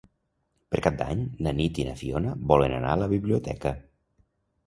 Per Cap d'Any na Nit i na Fiona volen anar a la biblioteca.